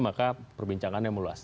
maka perbincangannya meluas